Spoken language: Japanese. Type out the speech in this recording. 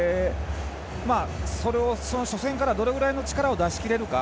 初戦からどれぐらいの力を出し切れるか。